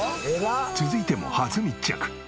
続いても初密着。